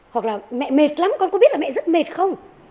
hoặc là mẹ mệt lắm con có biết là mẹ rất mệt không